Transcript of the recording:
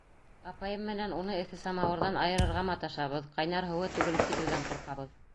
Апайым менән уны эҫе самауырҙан айырырға маташабыҙ, ҡайнар һыуы түгелеп китеүҙән ҡурҡабыҙ.